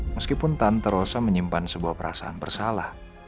meskipun tante rosa menyimpan sebuah perasaan bersalah